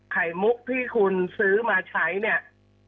ไข่มุกที่คุณซื้อมาใช้เนี่ย